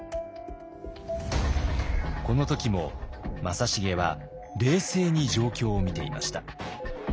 この時も正成は冷静に状況を見ていました。